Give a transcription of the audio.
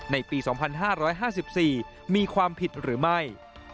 ในปี๒๕๕๔มีความผิดหรือไม่